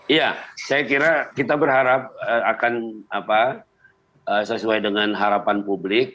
iya saya kira kita berharap akan sesuai dengan harapan publik